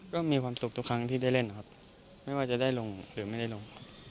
ก็มีความสุขทุกครั้งที่ได้เล่นนะครับไม่ว่าจะได้ลงหรือไม่ได้ลงครับ